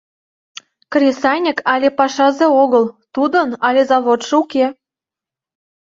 Кресаньык але пашазе огыл, тудын але заводшо уке...